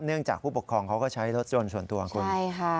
เนื่องจากผู้ปกครองเขาก็ใช้รถยนต์ช่วงตัวหรือเปล่า